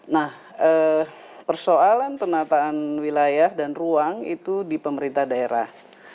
nah persoalan penataan wilayah dan ruang itu di pemerintah daerah